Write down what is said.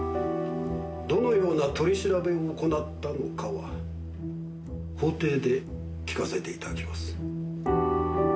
どのような取り調べを行ったのかは法廷で聞かせて頂きます。